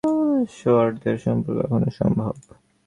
পূর্ব ও পশ্চিমের মধ্যে প্রেম ও সৌহার্দ্যের সম্পর্ক এখনও সম্ভব।